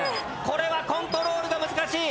これはコントロールが難しい！